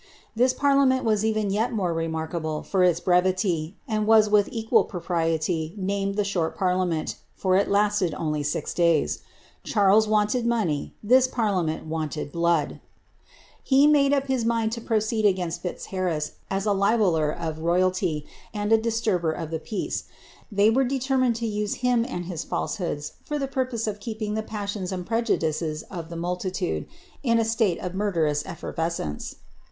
This par as even yet more remarkable for its brevity, and was with equal named the short parliament, for it lasted only six days. Charles oney — this parliament wanted more blood. He had made up to proceed against Fitzharris as a libeller of royalty, and a dis* the public peace — they were determined to use him and his s for the purpose of keeping the passions and prejudices of the in a state of murderous effervescence.